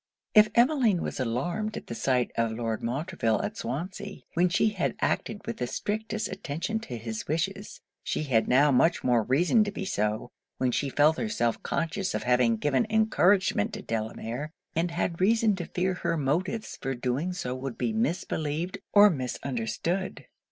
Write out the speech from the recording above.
If Emmeline was alarmed at the sight of Lord Montreville at Swansea, when she had acted with the strictest attention to his wishes, she had now much more reason to be so, when she felt herself conscious of having given encouragement to Delamere, and had reason to fear her motives for doing so would be misbelieved or misunderstood.